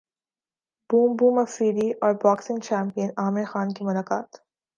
boom boom Afridi اور boxing champion Aamir Khan کی ملاقات